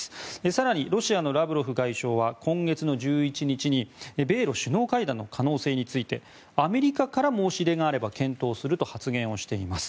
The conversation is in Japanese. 更に、ロシアのラブロフ外相は今月１１日に米ロ首脳会談の可能性についてアメリカから申し出があれば検討すると発言をしています。